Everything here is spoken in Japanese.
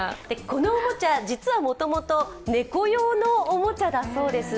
このおもちゃ、実はもともと猫用のおもちゃだそうです。